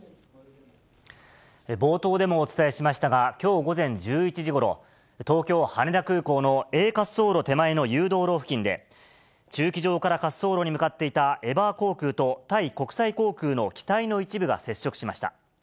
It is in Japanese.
冒頭でもお伝えしましたが、きょう午前１１時ごろ、東京・羽田空港のＡ滑走路手前の誘導路付近で、駐機場から滑走路に向かっていたエバー航空とタイ国際航空の機体の一部が接触しました。